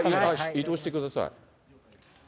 移動してください。